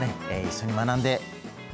一緒に学んで。